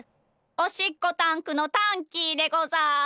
おしっこタンクのタンキーでござる。